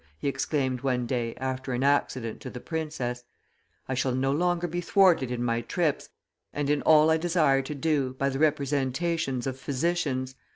he exclaimed one day, after an accident to the princess; "I shall no longer be thwarted in my trips, and in all I desire to do, by the representations of physicians.